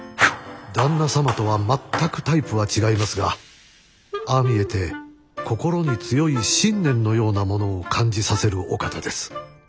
旦那様とは全くタイプは違いますがああ見えて心に強い信念のようなものを感じさせるお方です。